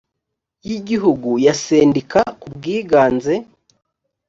y igihugu ya sendika ku bwiganze